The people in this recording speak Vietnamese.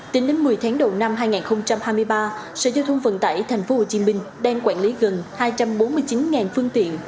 tính đến một mươi tháng đầu năm hai nghìn hai mươi ba sở giao thông vận tải tp hcm đang quản lý gần hai trăm bốn mươi chín phương tiện